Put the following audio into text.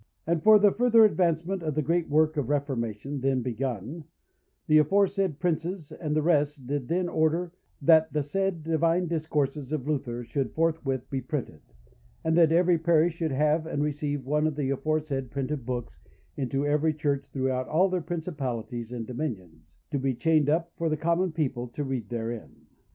"And for the further advancement of the great work of Reformation then begun, the aforesaid Princes and the rest did then order that the said Divine Discourses of Luther should forthwith be printed; and that every parish should have and receive one of the aforesaid printed books into every Church throughout all their principalities and dominions, to be chained up, for the common people to read therein.